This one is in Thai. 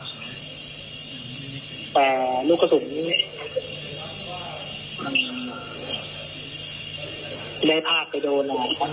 แต่ว่าลูกสุดพอโดนรับคอแล้ว